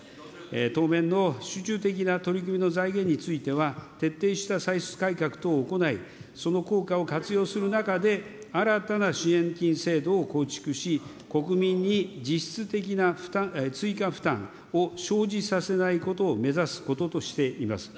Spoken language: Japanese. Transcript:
当面の集中的な取り組みの財源については、徹底した歳出改革等を行い、その効果を活用する中で、新たな支援金制度を構築し、国民に実質的な追加負担を生じさせないことを目指すこととしています。